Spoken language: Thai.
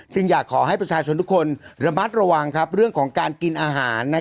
อยากขอให้ประชาชนทุกคนระมัดระวังเรื่องของการกินอาหาร